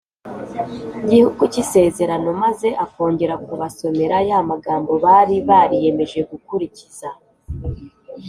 Gihugu cy Isezerano maze akongera kubasomera ya magambo bari bariyemeje gukurikiza